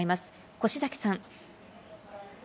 越崎さん。